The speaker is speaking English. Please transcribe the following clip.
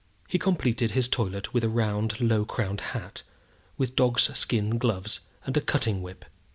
He completed his toilet with a round, low crowned hat, with dog's skin gloves, and a cutting whip.